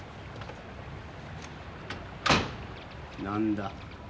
何だ？